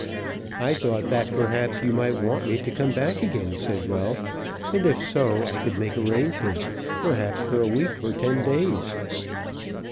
"I thought that perhaps you might want me to come back again," said Ralph; "and, if so, I could make arrangements; perhaps for a week or ten days."